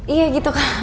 iya gitu kak